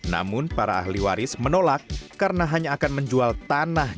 namun para ahli waris menolak karena hanya akan menjual tanah